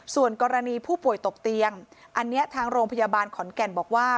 ส่วนกรณีผู้ป่วยตกเตียงอันนี้ทางโรงพยาบาลขอนแก่นบอกว่า